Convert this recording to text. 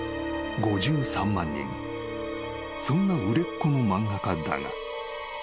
［そんな売れっ子の漫画家だが］